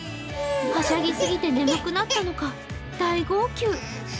はしゃぎすぎて眠くなったのか大号泣。